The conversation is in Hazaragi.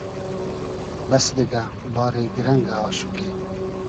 بئس دیگۂ ، باری گیرئنگۂ آشوقی